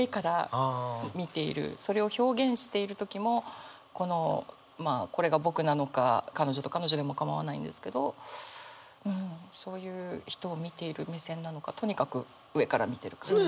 それを表現している時もこのまあこれが僕なのか彼女でも構わないんですけどうんそういう人を見ている目線なのかとにかく上から見てる感じ。